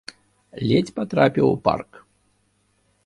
Ледзь патрапіў у парк.